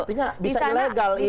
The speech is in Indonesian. artinya bisa ilegal ini meliput